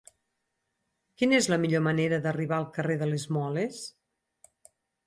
Quina és la millor manera d'arribar al carrer de les Moles?